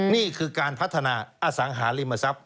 นี่คือการพัฒนาอสังหาริมทรัพย